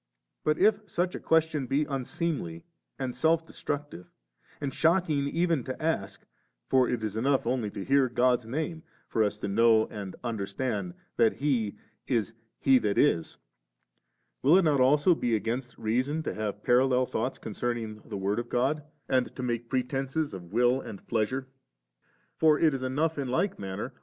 But if such a question be un seemly and self destructive, and shocking even to ask (for it is enough only to hear God's Name for us to know and understand that He is He that Is), will it not also be against reason to have parallel thoughts con cerning the Word of God, and to make pre formor tenM^ when he calls it WrSpofAot.uqaoted 1 60. n.